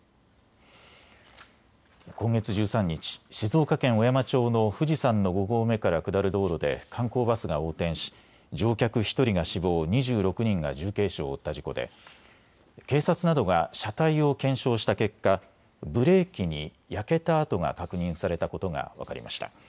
今月１３日、静岡県小山町の富士山の５合目から下る道路で観光バスが横転し乗客１人が死亡、２６人が重軽傷を負った事故で警察などが車体を検証した結果、ブレーキに焼けた跡が確認されたことが分かりました。